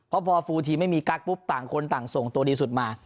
เพราะพอฟูลทีไม่มีกั๊กปุ๊บต่างคนต่างส่งตัวดีสุดมา